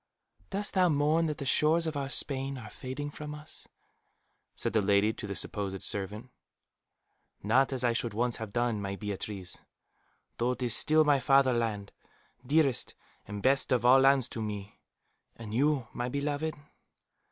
"Dost thou mourn that the shores of our Spain are fading from us?" said the lady to the supposed servant. "Not as I should once have done, my Beatriz; though it is still my fatherland, dearest and best of all lands to me. And you, my beloved?"